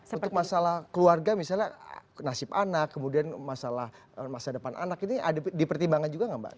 untuk masalah keluarga misalnya nasib anak kemudian masalah masa depan anak ini dipertimbangkan juga nggak mbak